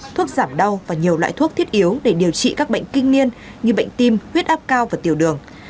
thuốc giảm đau và nhiều loại thuốc thiết yếu để điều trị các bệnh kinh niên như bệnh tim huyết áp cao và tiểu đường